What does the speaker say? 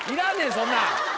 そんなん！